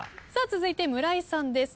続いて村井さんです。